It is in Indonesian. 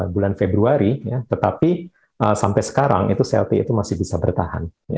bulan februari tetapi sampai sekarang itu selti itu masih bisa bertahan